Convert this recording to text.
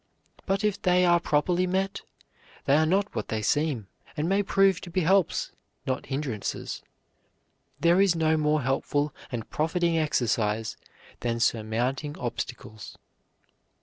But if they are properly met, they are not what they seem, and may prove to be helps, not hindrances. There is no more helpful and profiting exercise than surmounting obstacles."